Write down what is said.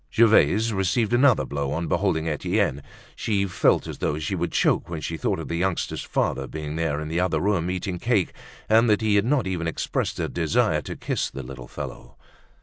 Gervaise received another blow on beholding Etienne. She felt as though she would choke when she thought of the youngster's father being there in the other room, eating cake, and that he had not even expressed a desire to kiss the little fellow.